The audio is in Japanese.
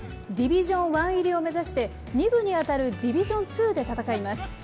ディビジョン１入りを目指して、２部に当たるディビジョン２で戦います。